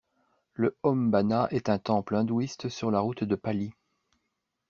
Le Om Banna est un temple indouhiste sur la route de Pali.